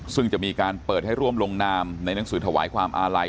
ซึ่งจะมีการเปิดให้ร่วมลงนามในหนังสือถวายความอาลัย